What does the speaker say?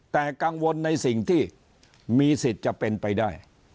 แต่กังวลในสิ่งที่มีสิทธิ์จะเป็นไปได้